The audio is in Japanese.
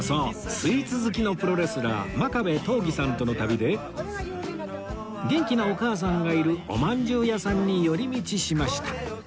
スイーツ好きのプロレスラー真壁刀義さんとの旅で元気なお母さんがいるおまんじゅう屋さんに寄り道しました